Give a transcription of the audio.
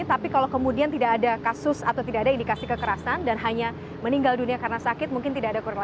tapi kalau kemudian tidak ada kasus atau tidak ada indikasi kekerasan dan hanya meninggal dunia karena sakit mungkin tidak ada korban